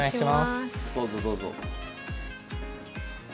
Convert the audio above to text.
どうぞどうぞ。